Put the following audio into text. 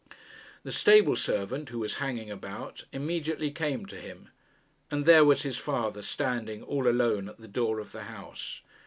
The stable servant, who was hanging about, immediately came to him; and there was his father standing, all alone, at the door of the house.